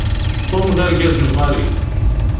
Tom d argaz n Mary.